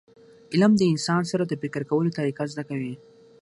علم د انسان سره د فکر کولو طریقه زده کوي.